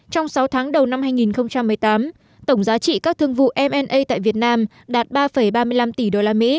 trong sáu tháng đầu năm hai nghìn một mươi tám tổng giá trị các thương vụ mna tại việt nam đạt ba ba mươi năm tỷ usd